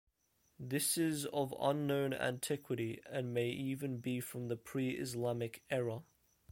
This is of unknown antiquity, and may even be from the pre-Islamic era.